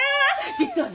実はね。